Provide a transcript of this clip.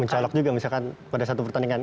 mencolok juga misalkan pada satu pertandingan